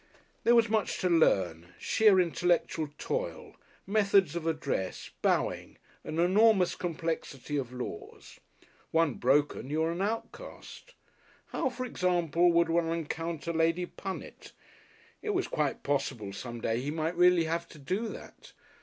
There was much to learn, sheer intellectual toil, methods of address, bowing, an enormous complexity of laws. One broken, you are an outcast. How, for example, would one encounter Lady Punnet? It was quite possible some day he might really have to do that.